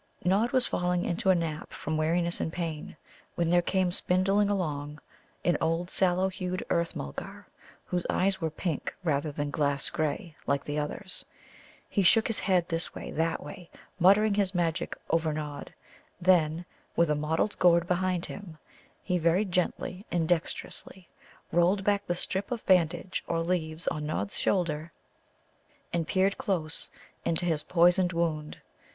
Nod was falling into a nap from weariness and pain, when there came spindling along an old sallow hued Earth mulgar, whose eyes were pink, rather than glass grey, like the others. He shook his head this way, that way, muttering his magic over Nod; then, with a mottled gourd beside him, he very gently and dexterously rolled back the strip or bandage of leaves on Nod's shoulder, and peered close into his poisoned wound.